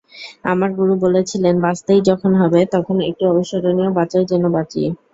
আমার গুরু বলেছিলেন, বাঁচতেই যখন হবে তখন একটি অবিস্মরণীয় বাঁচাই যেন বাঁচি।